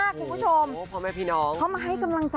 เพราะแม่พี่น้อง